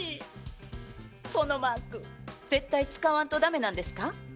そのマーク絶対使わんと駄目なんですか？